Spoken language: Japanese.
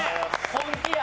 本気や！